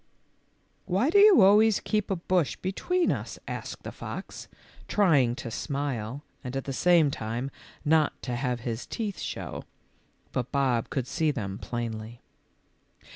" Why do you always keep a bush between us? " asked the fox, trying to smile and at the 132 THE LITTLE FORESTERS. same time not to have his teeth show ; but Bob could see them plainly.